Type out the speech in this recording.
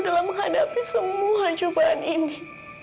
dalam menghadapi semua cobaan ini